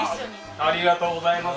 ありがとうございます。